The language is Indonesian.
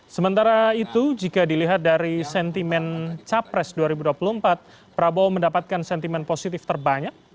sementara itu jika dilihat dari sentimen capres dua ribu dua puluh empat prabowo mendapatkan sentimen positif terbanyak